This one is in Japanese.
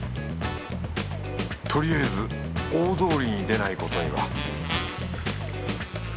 とりあえず大通りに出ないことには